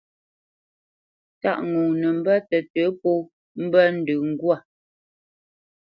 Tâʼ ŋo nə mbə́ tətə̌ pó mbə́ ndə ŋgwâ.